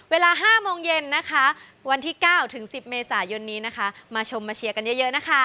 เวลา๕โมงเย็นนะคะวันที่๙ถึง๑๐เมษายนนี้นะคะมาชมมาเชียร์กันเยอะนะคะ